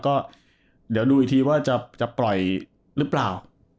ก็เดี๋ยวดูอีกทีว่าจะปล่อยหรือเปล่า